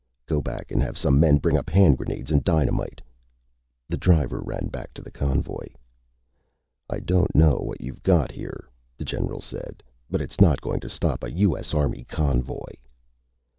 "Go back and have some men bring up hand grenades and dynamite." The driver ran back to the convoy. "I don't know what you've got here," the general said. "But it's not going to stop a U.S. Army convoy."